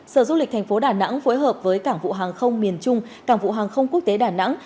sở du lịch thành phố đà nẵng phối hợp với cảng vụ hàng không miền trung cảng vụ hàng không quốc tế đà nẵng